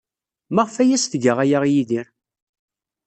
Maɣef ay as-tga aya i Yidir?